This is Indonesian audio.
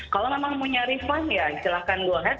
kalau memang mau nyari fun ya silahkan go ahead